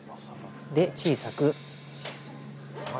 で小さく。